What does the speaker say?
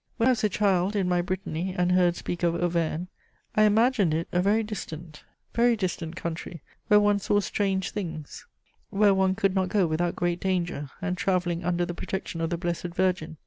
When I was a child, in my Brittany, and heard speak of Auvergne, I imagined it a very distant, very distant country, where one saw strange things, where one could not go without great danger, and travelling under the protection of the Blessed Virgin.